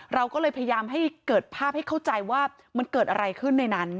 เราก็เลยพยายามให้เกิดภาพให้เข้าใจว่ามันเกิดอะไรขึ้นในนั้น